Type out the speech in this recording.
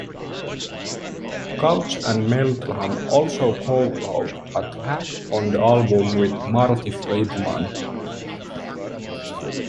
Couch and Meldrum also co wrote a track on the album with Marty Freidman.